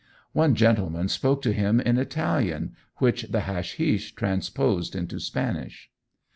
One gentleman spoke to him in Italian, which the hashish transposed into Spanish.